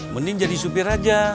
mending jadi supir aja